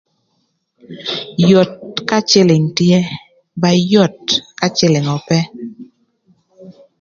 Yot ka cïlïng tye ba yot ka cïlïng ope.